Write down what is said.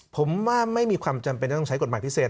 ผมว่าไม่มีความจำเป็นจะต้องใช้กฎหมายพิเศษ